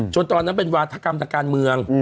จนตอนนั้นเป็นวาทกรรมการเมือง